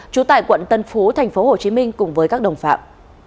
trú tại quận tân phú tp hcm cùng với các đồng phạm